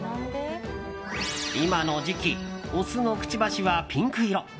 今の時期オスのくちばしはピンク色。